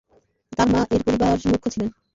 তার মা এর পরিবার মূখ্য ছিলেন।